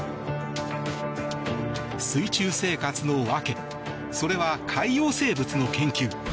水中生活の訳それは海洋生物の研究。